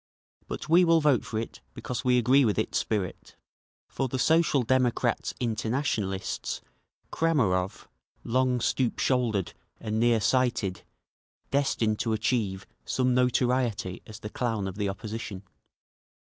But we will vote for it because we agree with its spirit…." For the Social Democrats Internationalists Kramarov, long, stoop shouldered and near sighted—destined to achieve some notoriety as the Clown of the Opposition.